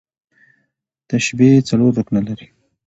تشبیه څلور رکنه لري.